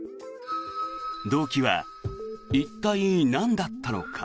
動機は一体なんだったのか。